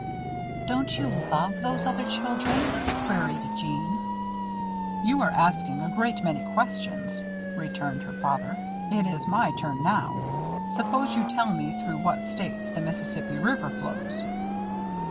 "Don't you love those other children?" queried Jeanne. "You are asking a great many questions," returned her father. "It is my turn now. Suppose you tell me through what states the Mississippi River flows?"